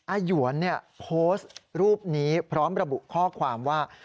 หยวนโพสต์รูปนี้พร้อมระบุข้อความว่า